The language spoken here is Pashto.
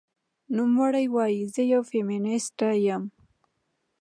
نوموړې وايي، "زه یوه فېمینیسټه یم